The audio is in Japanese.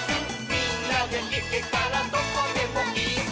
「みんなでいけたらどこでもイス！」